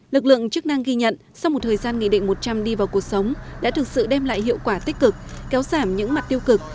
lực lượng chức năng ghi nhận sau một thời gian nghị định một trăm linh đi vào cuộc sống đã thực sự đem lại hiệu quả tích cực kéo giảm những mặt tiêu cực